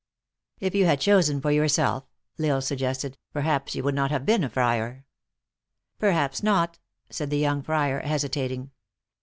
" If you had chosen for yourself," L Isle suggested, " perhaps you would not have been a friar." " Perhaps not," said the young friar, hesitating.